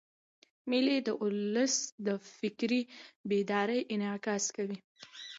مېلې د اولس د فکري بیدارۍ انعکاس کوي.